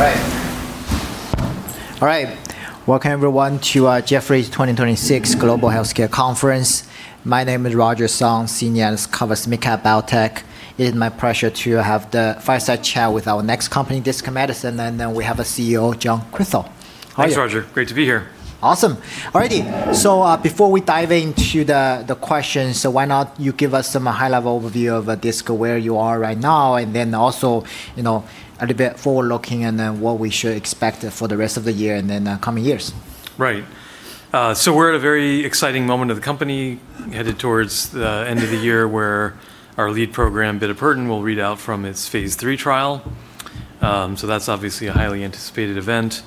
All right. Welcome, everyone, to Jefferies Global Healthcare Conference 2026. My name is Roger Song, Senior Analyst covers SMID-Cap Biotech. It is my pleasure to have the fireside chat with our next company, Disc Medicine, and then we have our CEO, John Quisel. Thanks, Roger. Great to be here. Awesome. All righty. Before we dive into the questions, why not you give us some high-level overview of Disc, where you are right now, and then also a little bit forward-looking and then what we should expect for the rest of the year and then coming years. Right. We are at a very exciting moment of the company, headed towards the end of the year where our lead program, bitopertin, will read out from its phase II trial. That is obviously a highly anticipated event.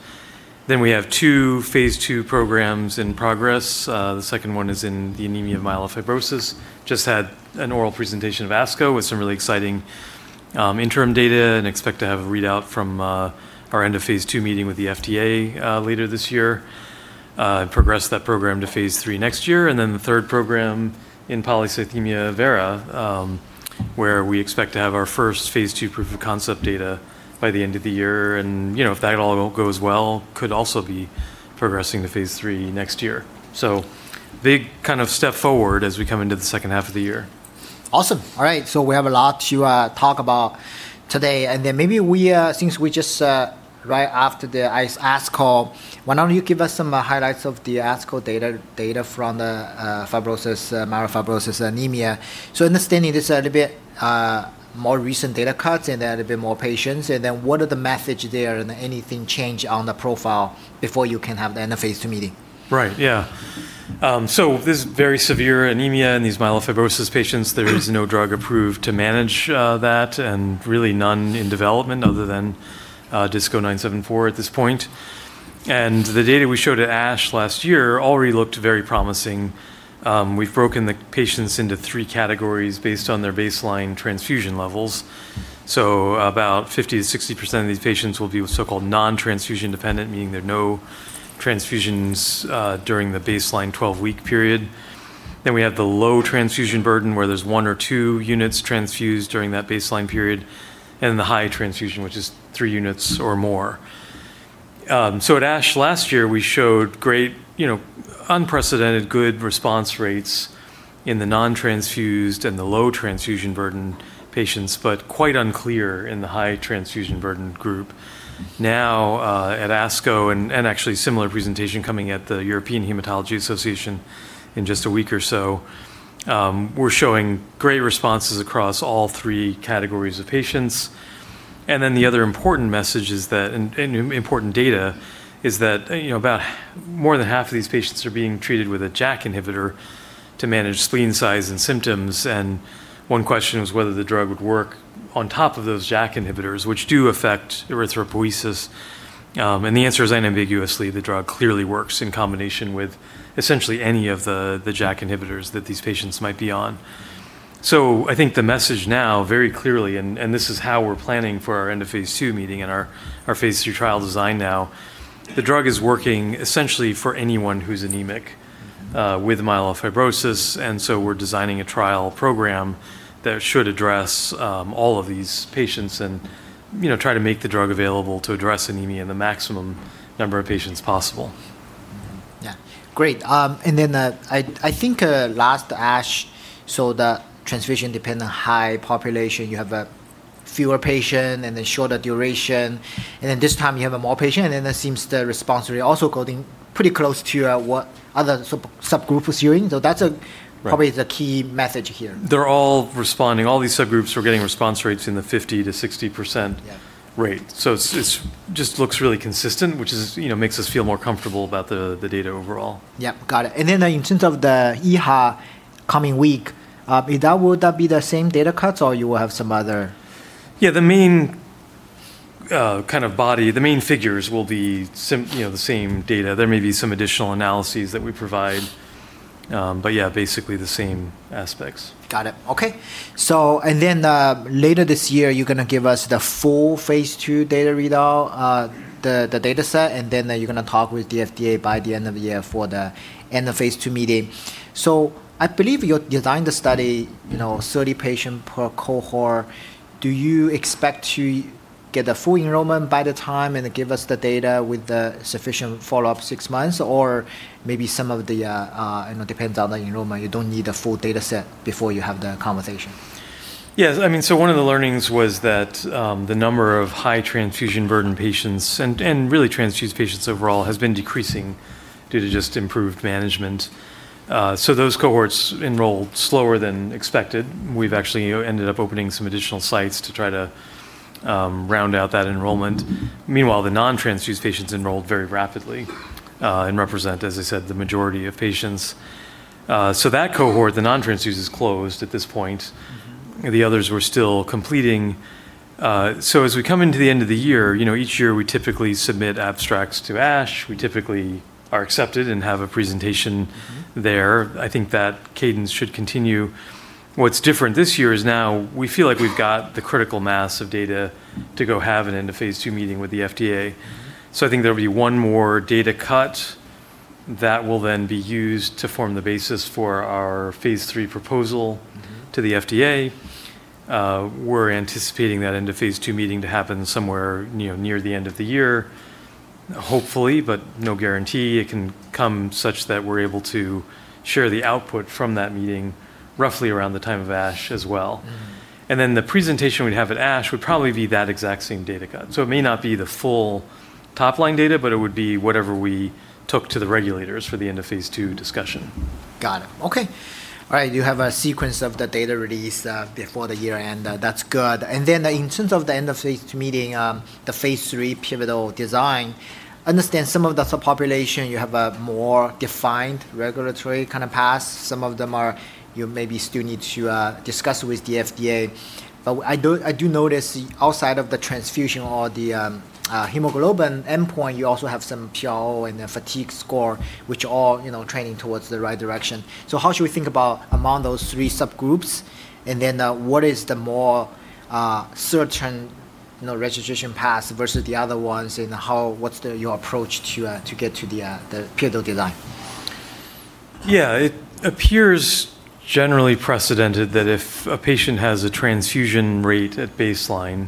We have two phase II programs in progress. The second one is in the anemia of myelofibrosis. Just had an oral presentation of ASCO with some really exciting interim data, and expect to have a readout from our end of phase II meeting with the FDA later this year, and progress that program to phase II next year. The third program in polycythemia vera, where we expect to have our first phase II proof of concept data by the end of the year. If that all goes well, it could also be progressing to phase II next year. Big step forward as we come into the second half of the year. Awesome. All right. We have a lot to talk about today. Maybe since we're just right after the ASCO, why don't you give us some highlights of the ASCO data from the myelofibrosis anemia. Understanding this a little bit, more recent data cuts and a little bit more patients, what are the methods there, and anything change on the profile before you can have the end of phase II meeting? Right, yeah. This very severe anemia in these myelofibrosis patients, there is no drug approved to manage that, and really none in development other than DISC-0974 at this point. The data we showed at ASH last year already looked very promising. We've broken the patients into three categories based on their baseline transfusion levels. About 50%-60% of these patients will be what's so-called non-transfusion dependent, meaning there are no transfusions during the baseline 12-week period. We have the low transfusion burden, where there's one or two units transfused during that baseline period, and then the high transfusion, which is three units or more. At ASH last year, we showed unprecedented good response rates in the non-transfused and the low transfusion burden patients, but quite unclear in the high transfusion burden group. At ASCO, actually similar presentation coming at the European Hematology Association in just a week or so, we're showing great responses across all 3 categories of patients. The other important message and important data is that about more than half of these patients are being treated with a JAK inhibitor to manage spleen size and symptoms. One question was whether the drug would work on top of those JAK inhibitors, which do affect erythropoiesis. The answer is unambiguously, the drug clearly works in combination with essentially any of the JAK inhibitors that these patients might be on. I think the message now very clearly, and this is how we're planning for our end of phase II meeting and our phase II trial design now, the drug is working essentially for anyone who's anemic with myelofibrosis. We're designing a trial program that should address all of these patients and try to make the drug available to address anemia in the maximum number of patients possible. Mm-hmm. Yeah. Great. I think last ASH saw the transfusion dependent high population, you have fewer patients, and then shorter duration. This time you have more patients, and then that seems the response rate also going pretty close to what other subgroup was doing. That's probably the key message here. They're all responding. All these subgroups were getting response rates in the 50%-60% rate. Yeah. It just looks really consistent, which makes us feel more comfortable about the data overall. Yeah, got it. In terms of the EHA coming week, would that be the same data cuts or you will have some other? Yeah, the main body, the main figures will be the same data. There may be some additional analyses that we provide. Yeah, basically the same aspects. Got it. Okay. Later this year, you're going to give us the full phase II data readout, the dataset, and then you're going to talk with the FDA by the end of the year for the end of phase II meeting. I believe you designed the study 30 patient per cohort. Do you expect to get the full enrollment by the time and give us the data with the sufficient follow-up six months? It depends on the enrollment. You don't need a full dataset before you have the conversation. Yes, one of the learnings was that the number of high transfusion burden patients, and really transfused patients overall, has been decreasing due to just improved management. Those cohorts enrolled slower than expected. We've actually ended up opening some additional sites to try to round out that enrollment. Meanwhile, the non-transfused patients enrolled very rapidly and represent, as I said, the majority of patients. That cohort, the non-transfused, is closed at this point. The others we're still completing. As we come into the end of the year, each year we typically submit abstracts to ASH. We typically are accepted and have a presentation there. I think that cadence should continue. What's different this year is now we feel like we've got the critical mass of data to go have an end of phase II meeting with the FDA. I think there will be one more data cut that will then be used to form the basis for our phase III proposal to the FDA. We're anticipating that end of phase II meeting to happen somewhere near the end of the year, hopefully, but no guarantee. It can come such that we're able to share the output from that meeting roughly around the time of ASH as well. The presentation we'd have at ASH would probably be that exact same data cut. It may not be the full top-line data, but it would be whatever we took to the regulators for the end of Phase II discussion. Got it. Okay. All right. You have a sequence of the data release before the year end. That's good. In terms of the end of phase II meeting, the phase III pivotal design, understand some of the subpopulation, you have a more defined regulatory kind of path. Some of them you maybe still need to discuss with the FDA. I do notice outside of the transfusion or the hemoglobin endpoint, you also have some PRO and the fatigue score, which are trending towards the right direction. How should we think about among those three subgroups, and then what is the more certain registration path versus the other ones, and what's your approach to get to the pivotal design? Yeah. It appears generally precedented that if a patient has a transfusion rate at baseline,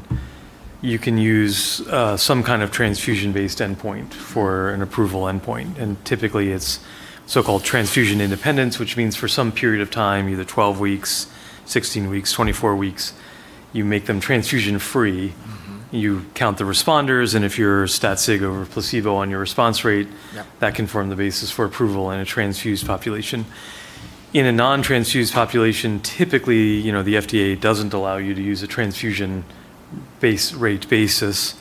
you can use some kind of transfusion-based endpoint for an approval endpoint. Typically, it's so-called transfusion independence, which means for some period of time, either 12 weeks, 16 weeks, 24 weeks, you make them transfusion-free. You count the responders, if you're statistically significant over placebo on your response rate. Yep. that can form the basis for approval in a transfused population. In a non-transfused population, typically, the FDA doesn't allow you to use a transfusion rate basis.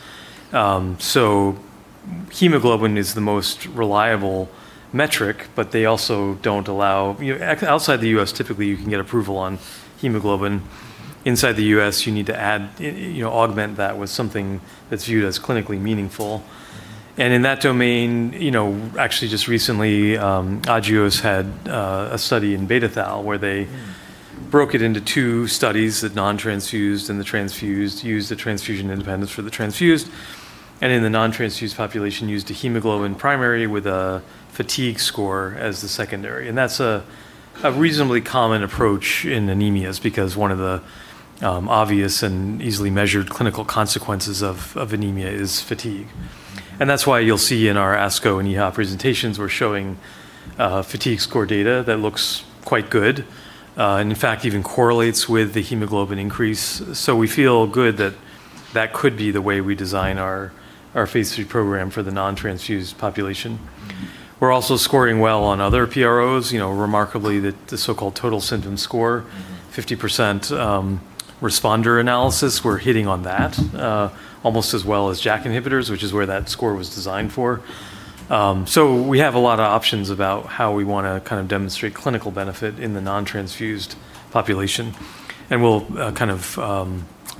Hemoglobin is the most reliable metric, but they also don't allow. Outside the U.S., typically, you can get approval on hemoglobin. Inside the U.S., you need to augment that with something that's viewed as clinically meaningful. In that domain, actually just recently, Agios had a study in beta thalassemia where they broke it into two studies, the non-transfused and the transfused, used the transfusion independence for the transfused, and in the non-transfused population used a hemoglobin primary with a fatigue score as the secondary. That's a reasonably common approach in anemias, because one of the obvious and easily measured clinical consequences of anemia is fatigue. That's why you'll see in our ASCO and EHA presentations, we're showing fatigue score data that looks quite good. In fact, even correlates with the hemoglobin increase. We feel good that that could be the way we design our phase III program for the non-transfused population. We're also scoring well on other PROs, remarkably, the so-called total symptom score. 50% responder analysis, we're hitting on that almost as well as JAK inhibitors, which is where that score was designed for. We have a lot of options about how we want to demonstrate clinical benefit in the non-transfused population, and we'll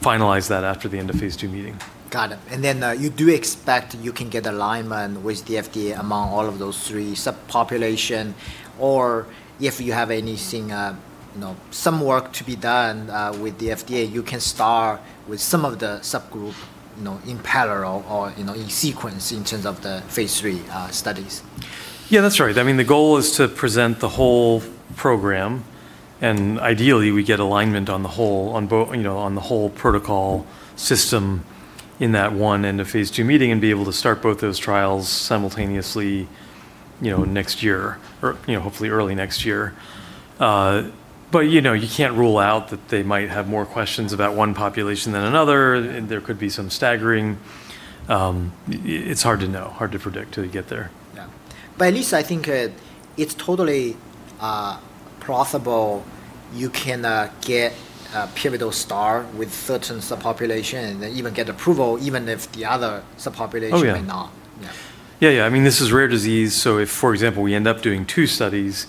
finalize that after the end of phase II meeting. Got it. You do expect you can get alignment with the FDA among all of those three subpopulation? If you have some work to be done with the FDA, you can start with some of the subgroup in parallel or in sequence in terms of the phase III studies? Yeah, that's right. The goal is to present the whole program. Ideally, we get alignment on the whole protocol system in that one end of phase II meeting and be able to start both those trials simultaneously next year, or hopefully early next year. You can't rule out that they might have more questions about one population than another. There could be some staggering. It's hard to know, hard to predict till you get there. Yeah. At least I think it's totally plausible you can get a pivotal study with certain subpopulation and even get approval, even if the other subpopulation- Oh, yeah... may not. Yeah. Yeah. This is rare disease, so if, for example, we end up doing two studies,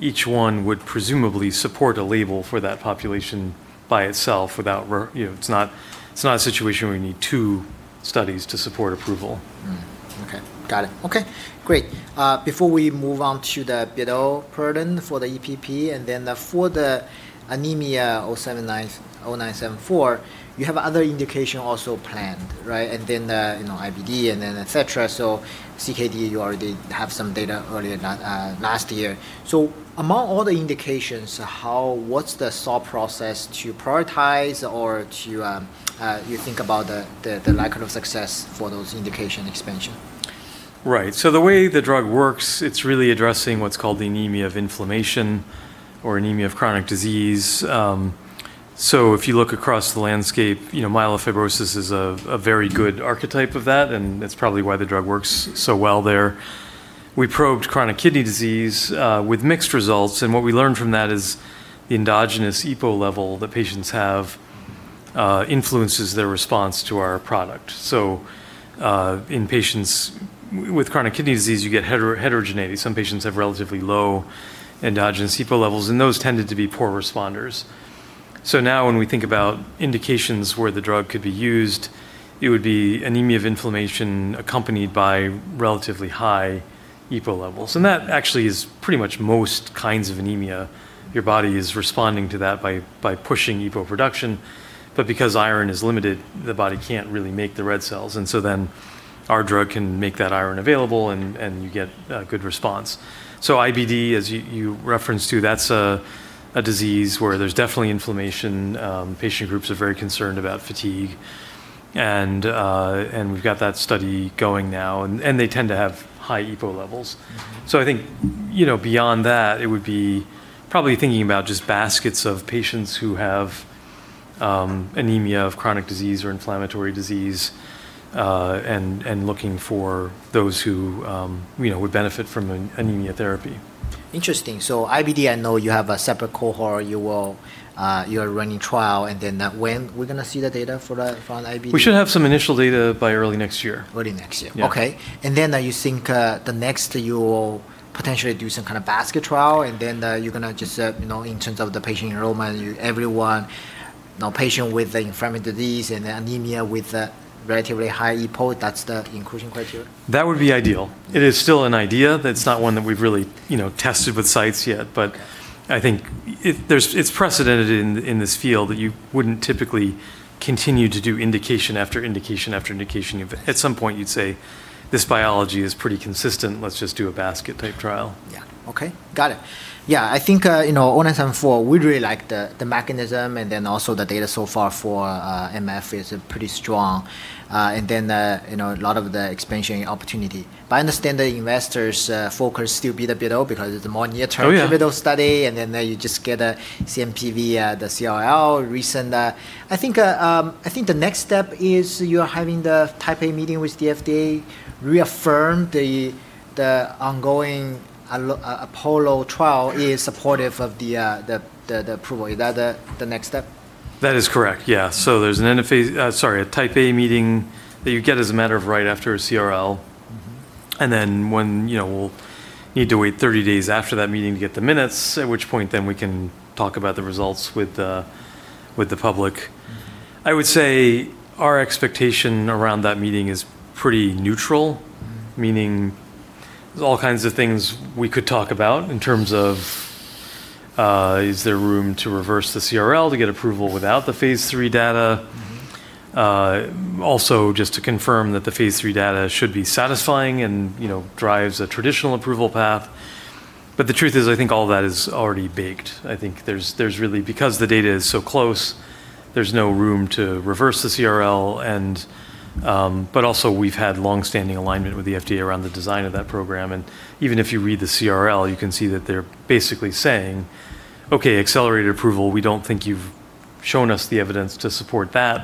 each one would presumably support a label for that population by itself. It's not a situation where you need two studies to support approval. Okay. Got it. Okay, great. Before we move on to the bitopertin for the EPP and then for the DISC-0974, you have other indication also planned, right? The IBD and etc. CKD, you already have some data earlier last year. Among all the indications, what's the thought process to prioritize or to think about the likelihood of success for those indication expansion? Right. The way the drug works, it's really addressing what's called the anemia of inflammation or anemia of chronic disease. If you look across the landscape, myelofibrosis is a very good archetype of that, and that's probably why the drug works so well there. We probed chronic kidney disease with mixed results, and what we learned from that is the endogenous EPO level that patients have influences their response to our product. In patients with chronic kidney disease, you get heterogeneity. Some patients have relatively low endogenous EPO levels, and those tended to be poor responders. Now when we think about indications where the drug could be used, it would be anemia of inflammation accompanied by relatively high EPO levels. That actually is pretty much most kinds of anemia. Your body is responding to that by pushing EPO production. Because iron is limited, the body can't really make the red cells. Our drug can make that iron available, and you get a good response. IBD, as you referenced too, that's a disease where there's definitely inflammation. Patient groups are very concerned about fatigue, and we've got that study going now, and they tend to have high EPO levels. I think, beyond that, it would be probably thinking about just baskets of patients who have anemia of chronic disease or inflammatory disease, and looking for those who would benefit from an anemia therapy. Interesting. IBD, I know you have a separate cohort, you are running trial, and then when we're going to see the data for IBD? We should have some initial data by early next year. Early next year. Yeah. Okay. Then you think, the next you'll potentially do some kind of basket trial, then you're going to just, in terms of the patient enrollment, everyone, patient with inflammatory disease and anemia with a relatively high EPO, that's the inclusion criteria? That would be ideal. It is still an idea. That's not one that we've really tested with sites yet, but I think it's precedented in this field that you wouldn't typically continue to do indication after indication after indication. At some point, you'd say, "This biology is pretty consistent. Let's just do a basket type trial. Yeah. Okay. Got it. Yeah, I think, 0974, we really like the mechanism and then also the data so far for MF is pretty strong. A lot of the expansion opportunity. I understand the investors' focus still be the bito because it's a more near-term. Oh, yeah. Bito study, then you just get a PDUFA, the CRL recent. I think the next step is you're having the Type A meeting with the FDA, reaffirm the ongoing APOLLO trial is supportive of the approval. Is that the next step? That is correct, yeah. There's a Type A meeting that you get as a matter of right after a CRL. Then we'll need to wait 30 days after that meeting to get the minutes, at which point then we can talk about the results with the public. I would say our expectation around that meeting is pretty neutral, meaning there's all kinds of things we could talk about in terms of, is there room to reverse the CRL to get approval without the phase III data? Just to confirm that the phase III data should be satisfying and drives a traditional approval path. The truth is, I think all that is already baked. I think because the data is so close, there's no room to reverse the CRL. We've had longstanding alignment with the FDA around the design of that program, and even if you read the CRL, you can see that they're basically saying, "Okay, accelerated approval, we don't think you've shown us the evidence to support that.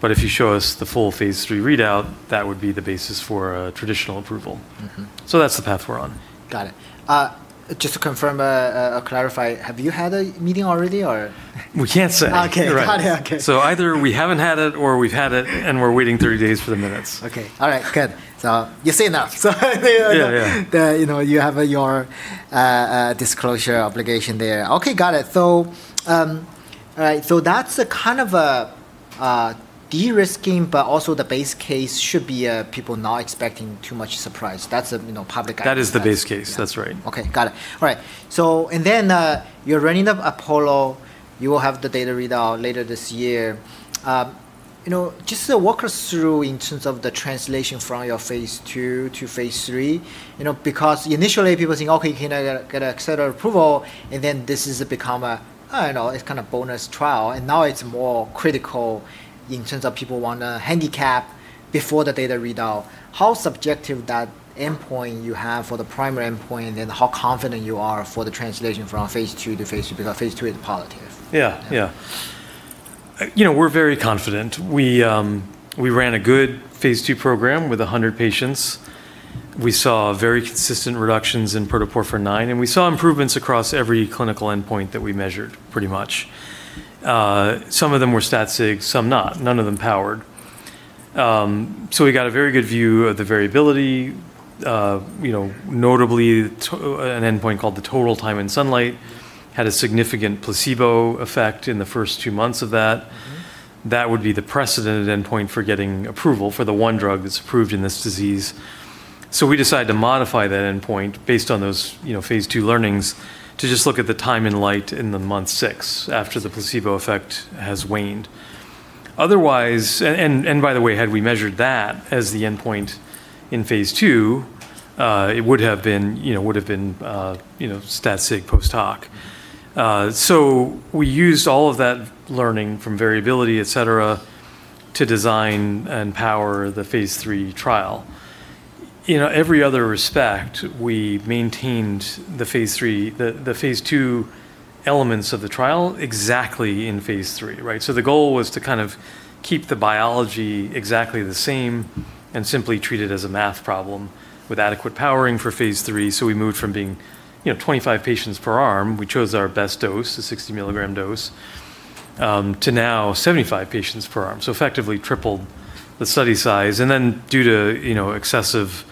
But if you show us the full phase III readout, that would be the basis for a traditional approval. That's the path we're on. Got it. Just to confirm, clarify, have you had a meeting already or? We can't say. Okay. Got it. Okay. Either we haven't had it, or we've had it and we're waiting 30 days for the minutes. Okay. All right. Good. You say enough. Yeah. You have your disclosure obligation there. Okay, got it. That's a kind of a de-risking, but also the base case should be people not expecting too much surprise. That is the base case. That's right. Okay. Got it. All right. Then you're running up APOLLO. You will have the data readout later this year. Just walk us through in terms of the translation from your phase II to phase III. Initially people think, "Okay, you get an accelerated approval," then this has become a, I don't know, it's kind of bonus trial, now it's more critical in terms of people want to handicap before the data readout. How subjective that endpoint you have for the primary endpoint, how confident you are for the translation from phase II to phase III, phase II is positive. Yeah. We're very confident. We ran a good phase II program with 100 patients. We saw very consistent reductions in protoporphyrin IX, and we saw improvements across every clinical endpoint that we measured pretty much. Some of them were statistically significant, some not, none of them powered. We got a very good view of the variability. Notably, an endpoint called the total time in sunlight had a significant placebo effect in the first two months of that. That would be the precedent endpoint for getting approval for the one drug that's approved in this disease. We decided to modify that endpoint based on those phase II learnings to just look at the time in light in the month six, after the placebo effect has waned. By the way, had we measured that as the endpoint in phase II, it would've been statistically significant post hoc. We used all of that learning from variability, etc, to design and power the phase III trial. In every other respect, we maintained the phase II elements of the trial exactly in phase III, right? The goal was to kind of keep the biology exactly the same and simply treat it as a math problem with adequate powering for phase III. We moved from being 25 patients per arm, we chose our best dose, the 60-milligram dose, to now 75 patients per arm. Effectively tripled the study size. Due to excessive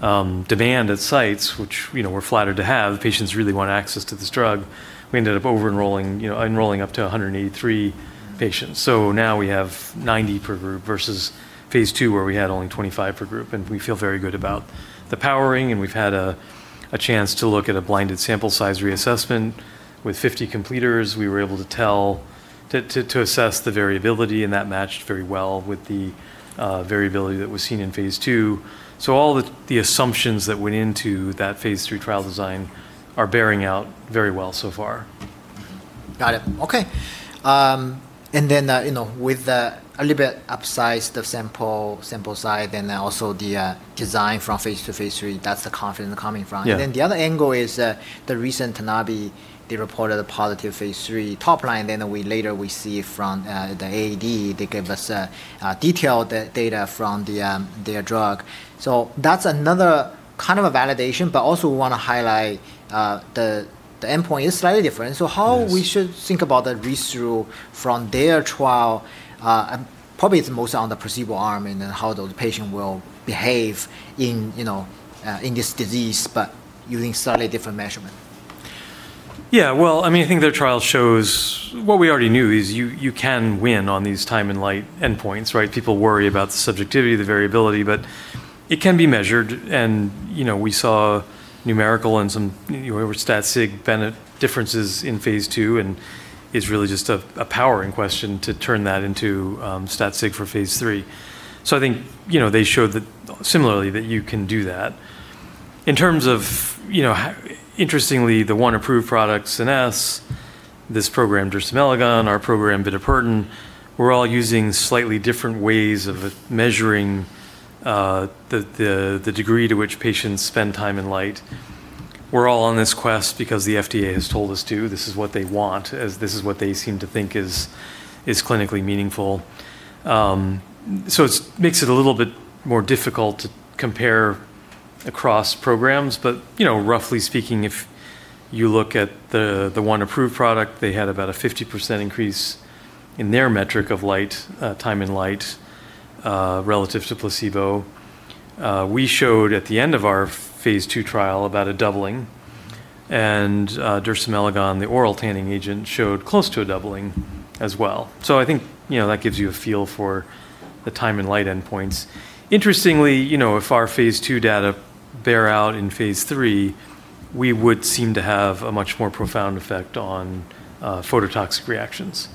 demand at sites, which we're flattered to have, patients really want access to this drug. We ended up over enrolling up to 183 patients. Now we have 90 per group versus phase II, where we had only 25 per group, we feel very good about the powering, we've had a chance to look at a blinded sample size reassessment with 50 completers. We were able to assess the variability, that matched very well with the variability that was seen in phase II. All the assumptions that went into that phase III trial design are bearing out very well so far. Got it. Okay. With a little bit upsize the sample size, and then also the design from phase II to phase III, that's the confidence coming from. Yeah. The other angle is the recent Tanabe, they reported a positive phase III top line, then later we see from the AAD, they gave us detailed data from their drug. That's another kind of a validation, but also we want to highlight the endpoint is slightly different. Yes. How we should think about the read-through from their trial, probably it's most on the placebo arm and then how those patients will behave in this disease, but using slightly different measurement. Yeah. Well, I think their trial shows what we already knew is you can win on these time in light endpoints, right? People worry about the subjectivity, the variability, but it can be measured and we saw numerical and some statistically significant benefit differences in phase II, and it's really just a powering question to turn that into statistically significant for phase III. I think, they showed that similarly that you can do that. Interestingly, the one approved product, SCENESSE, this program, dersimelagon, our program, bitopertin, we're all using slightly different ways of measuring the degree to which patients spend time in light. We're all on this quest because the FDA has told us to. This is what they want, as this is what they seem to think is clinically meaningful. It makes it a little bit more difficult to compare across programs. Roughly speaking, if you look at the one approved product, they had about a 50% increase in their metric of time in light, relative to placebo. We showed at the end of our phase II trial about a doubling, dersimelagon, the oral tanning agent, showed close to a doubling as well. I think that gives you a feel for the time in light endpoints. Interestingly, if our phase II data bear out in phase III, we would seem to have a much more profound effect on phototoxic reactions.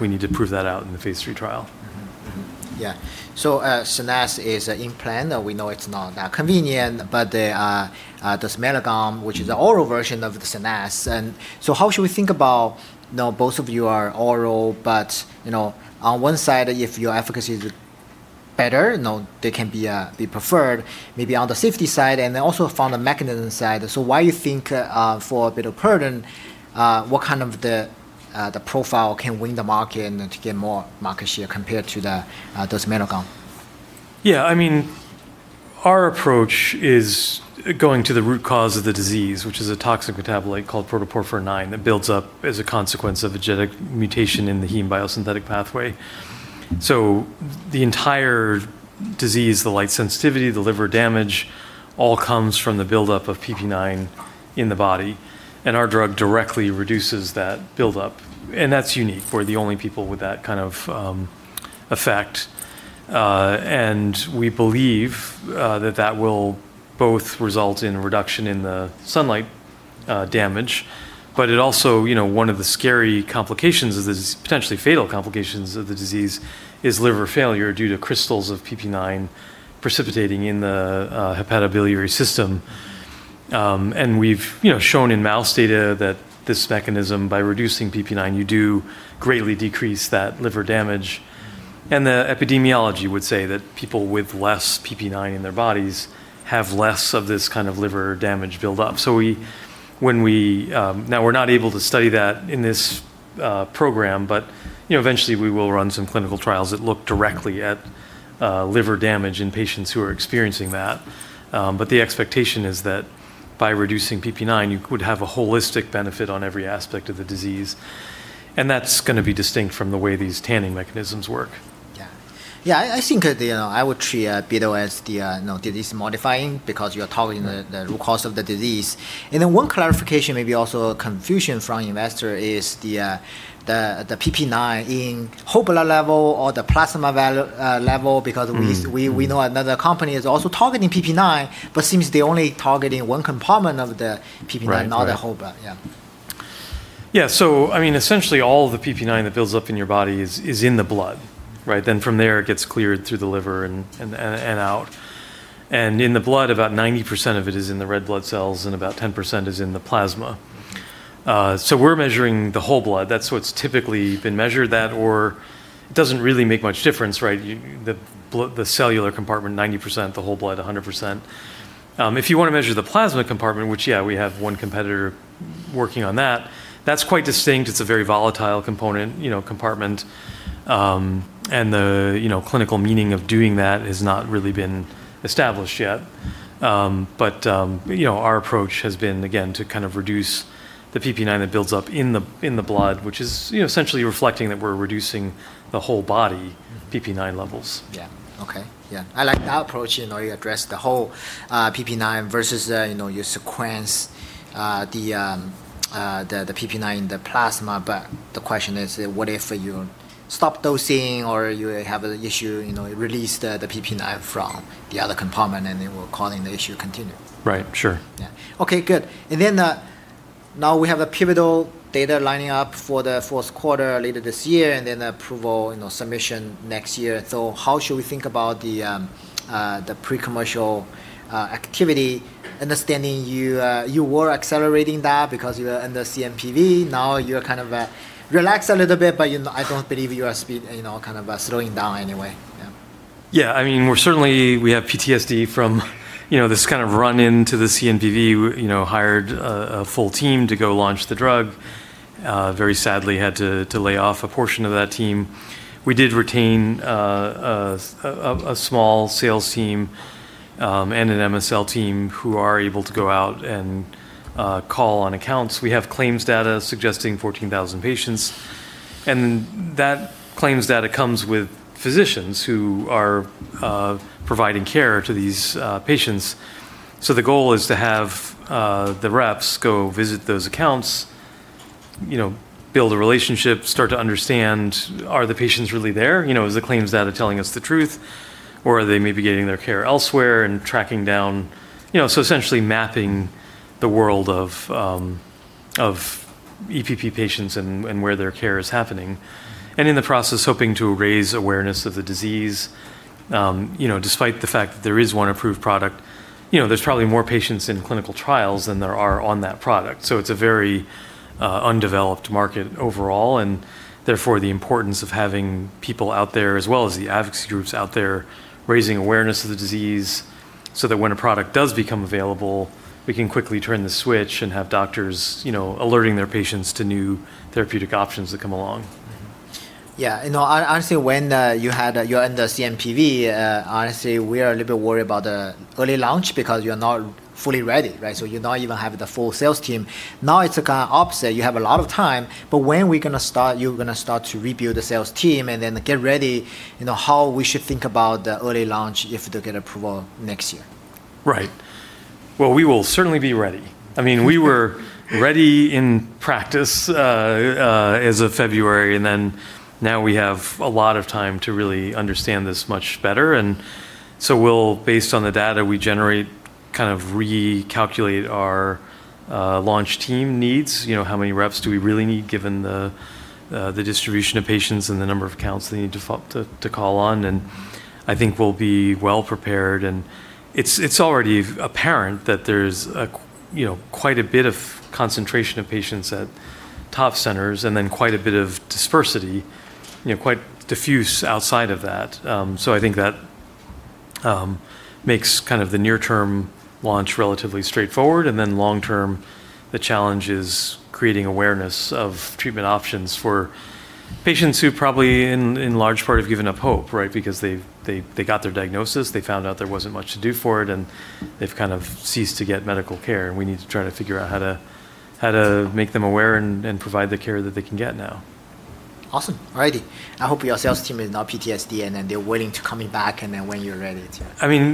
We need to prove that out in the phase III trial. Mm-hmm. Yeah. SCENESSE is an implant. We know it's not that convenient, but dersimelagon, which is an oral version of the SCENESSE. How should we think about, now both of you are oral, but on one side if your efficacy is better, they can be preferred maybe on the safety side, and then also from the mechanism side. Why you think for bitopertin, what kind of the profile can win the market and to get more market share compared to dersimelagon? Our approach is going to the root cause of the disease, which is a toxic metabolite called protoporphyrin IX that builds up as a consequence of a genetic mutation in the heme biosynthetic pathway. The entire disease, the light sensitivity, the liver damage, all comes from the buildup of PP9 in the body, and our drug directly reduces that buildup. That's unique. We're the only people with that kind of effect. We believe that that will both result in a reduction in the sunlight damage, but it also, one of the scary complications of this, potentially fatal complications of the disease, is liver failure due to crystals of PP9 precipitating in the hepatobiliary system. We've shown in mouse data that this mechanism, by reducing PP9, you do greatly decrease that liver damage. The epidemiology would say that people with less PP9 in their bodies have less of this kind of liver damage build up. Now we're not able to study that in this program, but eventually we will run some clinical trials that look directly at liver damage in patients who are experiencing that. The expectation is that by reducing PP9, you could have a holistic benefit on every aspect of the disease, and that's going to be distinct from the way these tanning mechanisms work. Yeah. I think, I would treat bito as the disease modifying, because you're targeting the root cause of the disease. One clarification, maybe also a confusion from investor is the PP9 in whole blood level or the plasma level, because we know another company is also targeting PP9, but seems they're only targeting one compartment of the PP9- Right.... not the whole blood. Yeah. Yeah. Essentially all of the PP9 that builds up in your body is in the blood. Right? From there it gets cleared through the liver and out. In the blood, about 90% of it is in the red blood cells, and about 10% is in the plasma. We're measuring the whole blood. That's what's typically been measured, that or it doesn't really make much difference, right? The cellular compartment 90%, the whole blood 100%. If you want to measure the plasma compartment, which yeah, we have one competitor working on that's quite distinct. It's a very volatile compartment. The clinical meaning of doing that has not really been established yet. Our approach has been, again, to kind of reduce the PP9 that builds up in the blood, which is essentially reflecting that we're reducing the whole body PP9 levels. Yeah. Okay. Yeah. I like that approach, you address the whole PP9 versus you sequence the PP9 in the plasma. The question is, what if you stop dosing or you have an issue, it release the PP9 from the other compartment, and it will causing the issue continue. Right. Sure. Yeah. Okay, good. Now we have a pivotal data lining up for the fourth quarter later this year, and then approval submission next year. How should we think about the pre-commercial activity, understanding you were accelerating that because you were under CNPV. Now you're kind of relaxed a little bit, I don't believe you are kind of slowing down anyway. Yeah. Yeah. Certainly, we have PTSD from this kind of run into the CNPV. We hired a full team to go launch the drug. Very sadly, had to lay off a portion of that team. We did retain a small sales team, and an MSL team, who are able to go out and call on accounts. We have claims data suggesting 14,000 patients, and that claims data comes with physicians who are providing care to these patients. The goal is to have the reps go visit those accounts, build a relationship, start to understand, are the patients really there? Is the claims data telling us the truth, or are they maybe getting their care elsewhere and tracking down. Essentially mapping the world of EPP patients and where their care is happening. In the process, hoping to raise awareness of the disease. Despite the fact that there is one approved product, there's probably more patients in clinical trials than there are on that product. It's a very undeveloped market overall, and therefore, the importance of having people out there, as well as the advocacy groups out there, raising awareness of the disease, so that when a product does become available, we can quickly turn the switch and have doctors alerting their patients to new therapeutic options that come along. Yeah. Honestly, when you're under CNPV, honestly, we are a little bit worried about the early launch because you're not fully ready. You're not even having the full sales team. Now it's kind of opposite. You have a lot of time, when you're going to start to rebuild the sales team and then get ready, how we should think about the early launch if they get approval next year? Right. Well, we will certainly be ready. We were ready in practice as of February. Now we have a lot of time to really understand this much better. We'll, based on the data we generate, kind of recalculate our launch team needs. How many reps do we really need given the distribution of patients and the number of accounts they need to call on? I think we'll be well prepared. It's already apparent that there's quite a bit of concentration of patients at top centers and then quite a bit of dispersity, quite diffuse outside of that. I think that makes the near-term launch relatively straightforward. Long-term, the challenge is creating awareness of treatment options for patients who probably, in large part, have given up hope. They got their diagnosis, they found out there wasn't much to do for it, and they've kind of ceased to get medical care, and we need to try to figure out how to make them aware and provide the care that they can get now. Awesome. All righty. I hope your sales team is not PTSD and they're waiting to coming back and then when you're ready.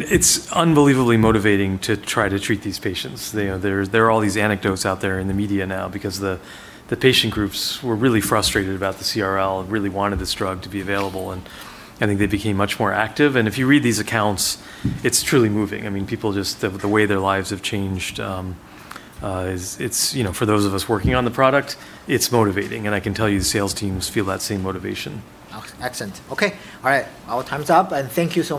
It's unbelievably motivating to try to treat these patients. There are all these anecdotes out there in the media now because the patient groups were really frustrated about the CRL and really wanted this drug to be available. I think they became much more active. If you read these accounts, it's truly moving. People, just the way their lives have changed, for those of us working on the product, it's motivating. I can tell you the sales teams feel that same motivation. Excellent. Okay. All right. Our time's up and thank you so-